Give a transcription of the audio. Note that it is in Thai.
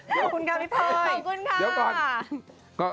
ขอบคุณค่ะพี่พลอยขอบคุณค่ะ